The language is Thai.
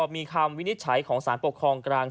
มีคำวินิจสาธิตร์ของสารปกครองกลาง